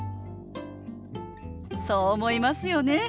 そう思いますよね。